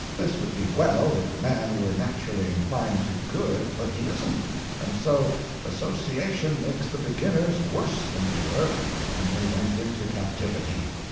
This would be well if man were naturally inclined to good, but he isn't, and so _association _makes the beginners worse than they were when they went into captivity.